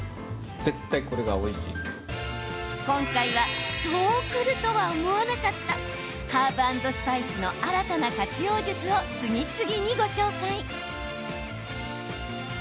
今回はそうくるとは思わなかったハーブ＆スパイスの新たな活用術を次々にご紹介。